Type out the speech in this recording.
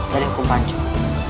dari hukum pancur